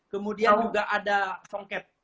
kemudian juga ada songket